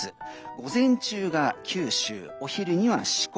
午前中が九州、お昼には四国